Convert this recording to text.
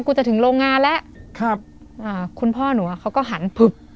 จะถึงโรงงานแล้วครับอ่าคุณพ่อหนูอ่ะเขาก็หันผึบ